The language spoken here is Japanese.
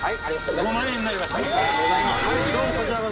５万円になります。